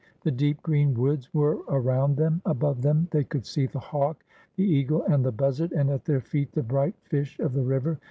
The deep green woods were around them; above them they could see the hawk, the eagle, and the buz zard, and at their feet the bright fish of the river.